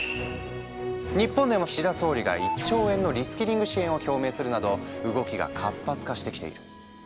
日本でも岸田総理が１兆円のリスキリング支援を表明するなど動きが活発化してきている。